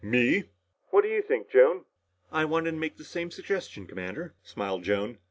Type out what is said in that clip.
"Me?" "What do you think, Joan?" "I wanted to make the same suggestion, Commander," smiled Joan.